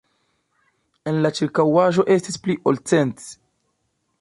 En la ĉirkaŭaĵo estis pli ol cent.